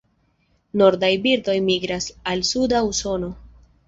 Nordaj birdoj migras al suda Usono.